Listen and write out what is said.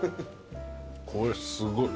これすごい。